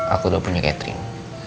aku udah punya catherine